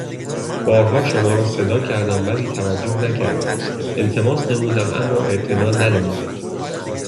بارها شما را صدا کردم ولی توجه نكرديد التماس نمودم اما اعتنا ننموديد